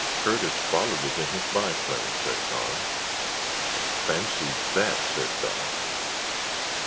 Curtis followed it in his biplane," said Tom. "Fancy that!" said Doc.